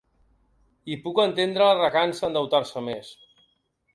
I puc entendre la recança a endeutar-se més.